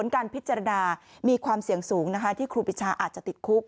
การพิจารณามีความเสี่ยงสูงที่ครูปิชาอาจจะติดคุก